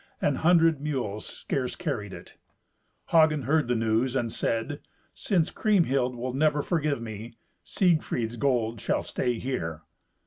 An hundred mules scarce carried it. Hagen heard the news, and said, "Since Kriemhild will never forgive me, Siegfried's gold shall stay here.